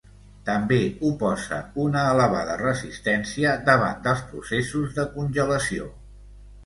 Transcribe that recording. També oposa una elevada resistència davant dels processos de congelació.